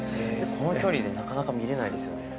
この距離でなかなか見れないですよね。